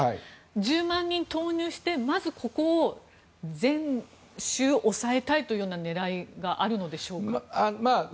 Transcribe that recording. １０万人投入して、まずここを全州押さえたいという狙いがあるのでしょうか。